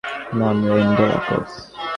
নাম Rain Delacorte.